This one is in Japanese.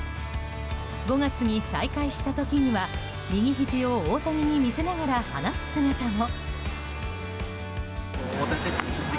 ５月に再会した時には、右ひじを大谷に見せながら話す姿も。